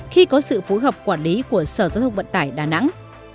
khi có sự phối hợp quản lý của sở giới thông vận tải đà nẵng